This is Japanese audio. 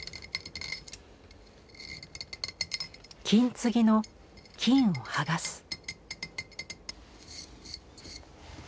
金継ぎの金を剥がす。